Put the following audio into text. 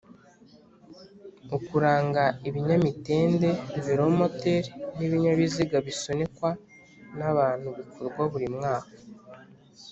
Ukuranga ibinyamitende, velomoteri n'ibinyabiziga bisunikwa n'abantu bikorwa buri mwaka